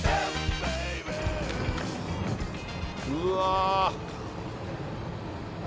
うわ。